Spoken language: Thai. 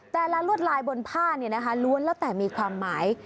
ลวดลายบนผ้าล้วนแล้วแต่มีความหมาย